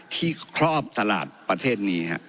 ครอบตลาดประเทศนี้